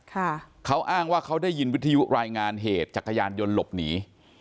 ค่ะเขาอ้างว่าเขาได้ยินวิทยุรายงานเหตุจักรยานยนต์หลบหนี